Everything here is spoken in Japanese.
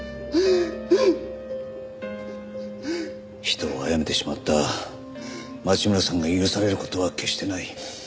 人をあやめてしまった町村さんが許される事は決してない。